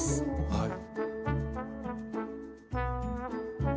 はい。